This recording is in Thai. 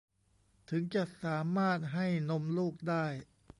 ถึงจะสามารถให้นมลูกได้